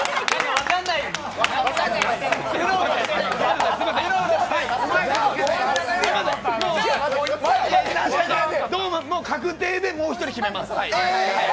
堂前の確定で、もう１人決めます。